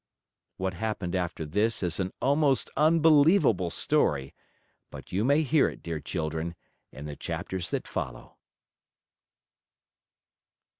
What happened after this is an almost unbelievable story, but you may read it, dear children, in the chapters that follow.